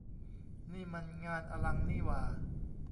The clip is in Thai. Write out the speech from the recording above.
นี่มันงานอลังนี่หว่า !